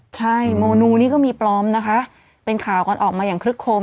ใช่โมนูนี่ก็มีปลอมนะคะเป็นข่าวกันออกมาอย่างคลึกโคม